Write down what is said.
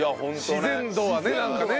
自然度はねなんかね。